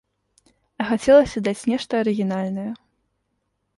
А хацелася даць нешта арыгінальнае.